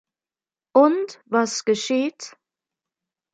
Und was geschieht?